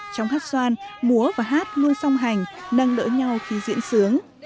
trong hát xoan múa và hát luôn song hành nâng đỡ nhau khi diễn sướng